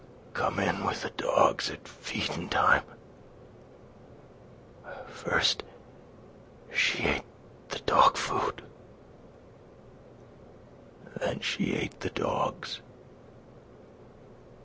... Come in with the dogs at feedin' time. ... First she ate the dog food. ... Then she ate the dogs.